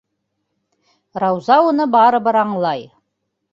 Рауза уны барыбер аңлай.